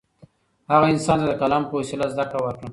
هغه انسان ته د قلم په وسیله زده کړه ورکړه.